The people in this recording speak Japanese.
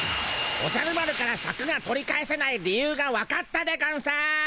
おじゃる丸からシャクが取り返せない理由がわかったでゴンス！